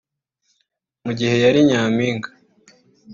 Mu gihe yari nyampinga